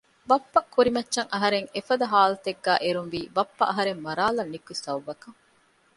ބައްޕަ ކުރިމައްޗަށް އަހަރެން އެފަދަ ހާލަތެއްގައި އެރުންވީ ބައްޕަ އަހަރެން މަރާލަން ނިކުތް ސަބަބަކަށް